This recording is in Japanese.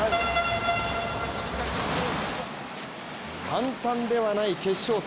簡単ではない決勝戦。